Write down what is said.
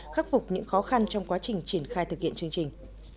khắc phục những khó khăn trong quá trình triển khai thực hiện chương trình